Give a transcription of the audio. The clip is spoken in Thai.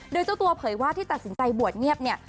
โดยเจ้าตัวเผยว่าที่ตัดสินใจบวชเงียบเนี่ย